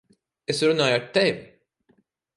Es runāju ar tevi!